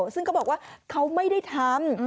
ซึ่งเขาบอกว่าเขาไม่ได้ทำ